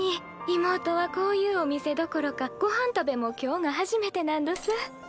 いもうとはこういうお店どころかごはんたべも今日が初めてなんどす。